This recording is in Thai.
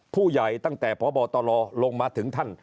ผู้ใหญ่ตั้งแต่พบตลลงมาถึงท่าน